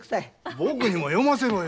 僕にも読ませろよ。